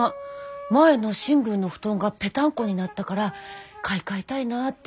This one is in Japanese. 前のシングルの布団がぺたんこになったから買い替えたいなぁって